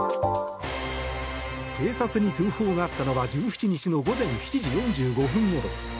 警察に通報があったのは１７日の午前７時４５分ごろ。